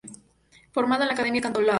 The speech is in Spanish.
Formado en la Academia Cantolao.